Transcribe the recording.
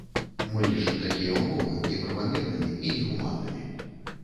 Мы лічым такія ўмовы неправамернымі і негуманнымі.